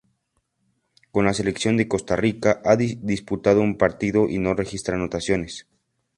Con la Selección de Costa Rica ha disputado un partido y no registra anotaciones.